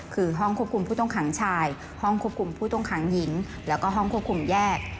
คือห้องควบคุมผู้ต้องขังชายห้องควบคุมผู้ต้องขังหญิงแล้วก็ห้องควบคุมแยก